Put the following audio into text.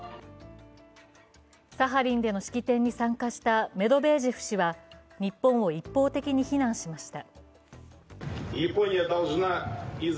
サハリンでの式典に参加したメドベージェフ氏は日本を一方的に非難しました。